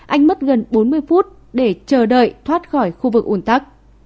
anh mất gần bốn mươi phút để chờ đợi thoát khỏi khu vực ủn tắc